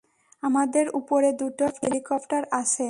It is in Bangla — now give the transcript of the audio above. আমাদের উপরে দুটো হেলিকপ্টার আছে।